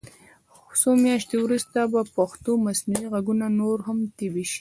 څو میاشتې وروسته به پښتو مصنوعي غږونه نور هم طبعي شي.